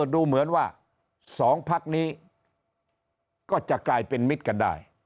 ดูเหมือนว่า๒พักนี้ก็จะกลายเป็นมิตรกันได้